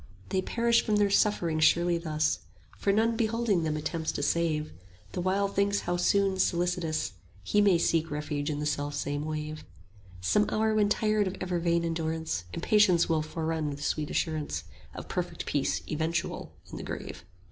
They perish from their suffering surely thus, 15 For none beholding them attempts to save, The while thinks how soon, solicitous, He may seek refuge in the self same wave; Some hour when tired of ever vain endurance Impatience will forerun the sweet assurance 20 Of perfect peace eventual in the grave.